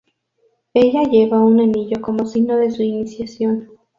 Ella lleva un anillo como signo de su iniciación.